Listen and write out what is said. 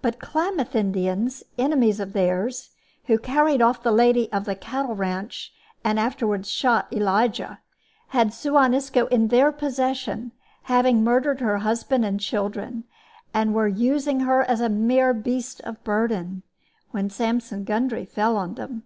But Klamath Indians, enemies of theirs (who carried off the lady of the cattle ranch, and afterward shot Elijah), had Suan Isco in their possession, having murdered her husband and children, and were using her as a mere beast of burden, when Sampson Gundry fell on them.